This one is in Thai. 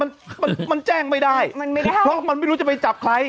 มันมันแจ้งไม่ได้มันไม่ได้เพราะมันไม่รู้จะไปจับใคร